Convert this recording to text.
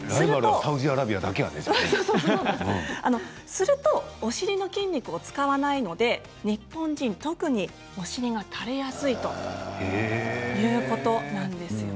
するとお尻の筋肉を使わないので日本人は特にお尻がたれやすいということなんです。